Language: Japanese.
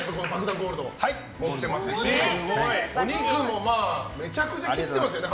ＧＯＬＤ持ってますしお肉もめちゃくちゃ切ってますよね